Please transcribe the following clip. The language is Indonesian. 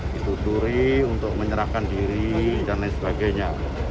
dituturi untuk menyerahkan diri dan lain sebagainya